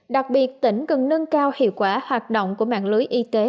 đặc biệt tỉnh cần nâng cao hiệu quả hoạt động của mạng lưới y tế